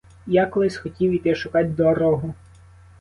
І я колись хотів іти шукать дорогу.